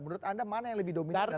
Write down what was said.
menurut anda mana yang lebih dominan